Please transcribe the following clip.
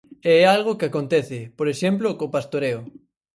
E é algo que acontece, por exemplo, co pastoreo.